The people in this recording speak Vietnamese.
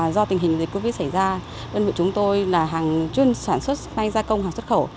do tình hình dịch covid xảy ra đơn vị chúng tôi là hàng chuyên sản xuất may gia công hàng xuất khẩu